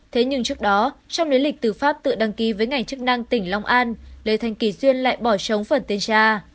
thế nhưng trước đó trong lệnh lịch từ pháp tự đăng ký với ngành chức năng tỉnh long an lê thanh kỳ duyên lại bỏ sống phần tiên tra